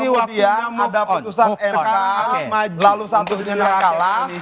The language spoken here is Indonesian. ada kemudian ada keputusan mk lalu satu satunya kalah